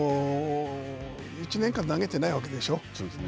１年間投げてないわけでしょう。